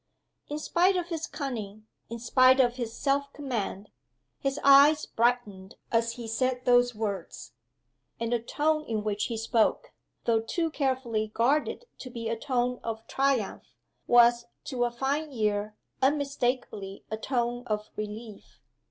In spite of his cunning; in spite of his self command, his eyes brightened as he said those words. And the tone in which he spoke though too carefully guarded to be a tone of triumph was, to a fine ear, unmistakably a tone of relief.